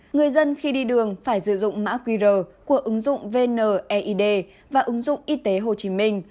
người dân khi đi đường phải dự dụng mã qr của ứng dụng vn eid và ứng dụng y tế hồ chí minh